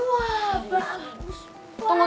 wah bagus banget